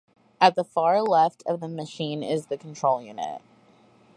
At the far left of the machine is the control unit.